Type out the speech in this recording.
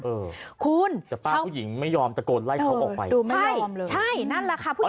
เออแต่ป้าผู้หญิงไม่ยอมตะโกนไล่เขาออกไปดูไม่ยอมเลยใช่นั่นแหละค่ะ